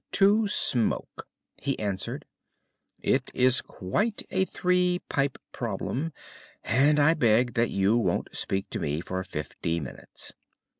"To smoke," he answered. "It is quite a three pipe problem, and I beg that you won't speak to me for fifty minutes."